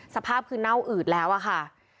สภาพคือเน่าอืดแล้วอะค่ะ